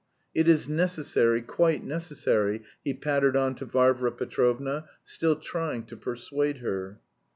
"It is necessary, quite necessary," he pattered on to Varvara Petrovna, still trying to persuade her.